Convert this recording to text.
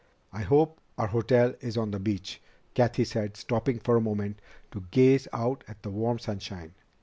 "I hope our hotel is on the beach," Cathy said, stopping for a moment to gaze out at the warm sunshine.